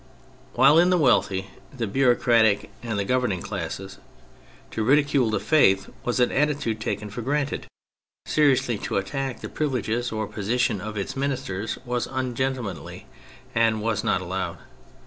While in the wealthy, the bureaucratic, and the governing classes, to ridicxile the Faith was an attitude taken for granted, seriously to attack the privileges or position of its ministers was ungentlemanly, and was not allowed.